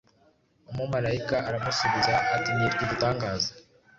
"Umumarayika aramusubiza ati:" Nitwa Igitangaza;